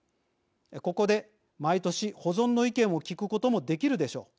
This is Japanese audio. ここで毎年、保存の意見を聞くこともできるでしょう。